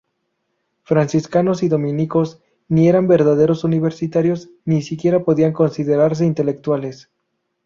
Franciscanos y dominicos, ni eran verdaderos universitarios, ni siquiera podían considerarse intelectuales.